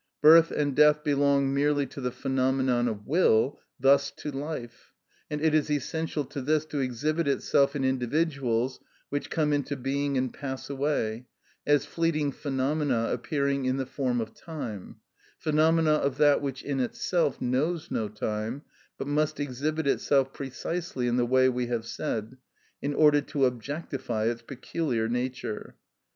Birth and death belong merely to the phenomenon of will, thus to life; and it is essential to this to exhibit itself in individuals which come into being and pass away, as fleeting phenomena appearing in the form of time—phenomena of that which in itself knows no time, but must exhibit itself precisely in the way we have said, in order to objectify its peculiar nature.